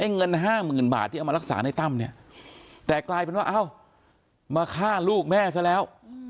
เงินห้าหมื่นบาทที่เอามารักษาในตั้มเนี่ยแต่กลายเป็นว่าเอ้ามาฆ่าลูกแม่ซะแล้ว